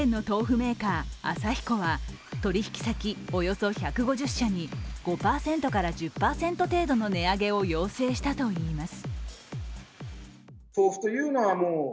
メーカーアサヒコは取引先およそ１５０社に５１０％程度の値上げを要請したといいます。